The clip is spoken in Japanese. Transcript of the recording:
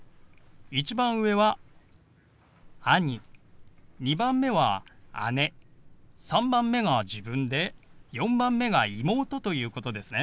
１番上は兄２番目は姉３番目が自分で４番目が妹ということですね。